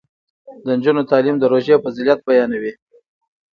د نجونو تعلیم د روژې فضیلت بیانوي.